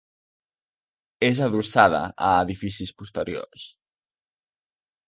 És adossada a edificis posteriors.